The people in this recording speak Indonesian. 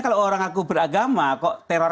kalau orang aku beragama kok teror